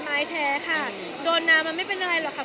การที่แม่โดนไปหาเขา